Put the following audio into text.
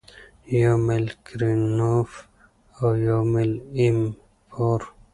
یو میل کرینموف او یو میل ایم پور